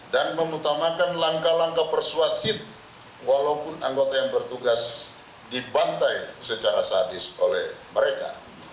dan memutamakan langkah langkah persuasif walaupun anggota yang bertugas dibantai secara sadis oleh mereka